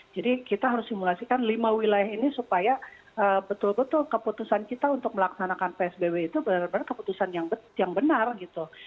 jadi kita harus simulasikan lima wilayah ini supaya betul betul keputusan kita untuk melaksanakan psbb itu benar benar keputusan yang benar gitu